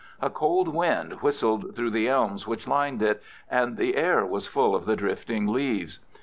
A cold wind whistled through the elms which lined it, and the air was full of the drifting leaves.